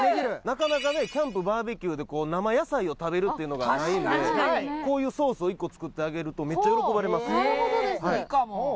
なかなかキャンプバーベキューで生野菜を食べるっていうのがないんでこういうソースを１個作ってあげるとメッチャ喜ばれますなるほどです！